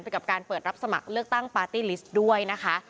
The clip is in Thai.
กับการเปิดรับสมัครเลือกตั้งปาร์ตี้ลิสต์ด้วยนะคะ